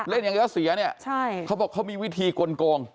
เล่นยังไงก็เสียเนี่ยเขาบอกเขามีวิธีกลง